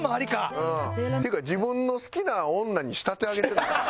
っていうか自分の好きな女に仕立て上げてない？